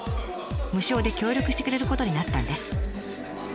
無償で協力してくれることになったんです。